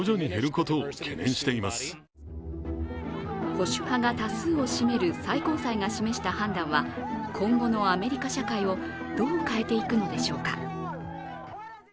保守派が多数を占める最高裁が示した判断は、今後のアメリカ社会をどう変えていくのでしょうか。